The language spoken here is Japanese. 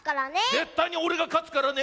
ぜったいにおれがかつからね！